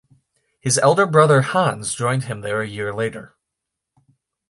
His elder brother Hans joined him there a year later.